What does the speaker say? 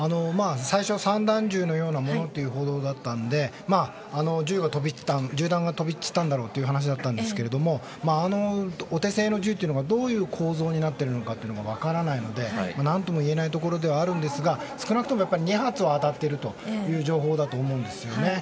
最初は散弾銃のようなものというような報道があったので銃弾が飛び散ったんだろうという話だったんですがあのお手製の銃がどういう構造になっているのか分からないので何とも言えないところではあるんですが少なくとも２発は当たっているという情報だと思うんですよね。